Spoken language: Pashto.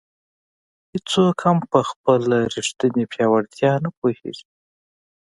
هیڅوک هم په خپله ریښتیني پیاوړتیا نه پوهېږي.